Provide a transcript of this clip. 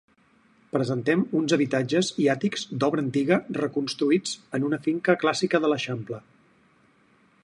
Presentem uns habitatges i àtics d'obra antiga reconstruïts en una finca clàssica de l'Eixample.